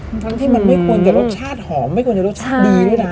ทั้งที่มันไม่ควรจะรสชาติหอมไม่ควรจะรสชาติดีด้วยนะ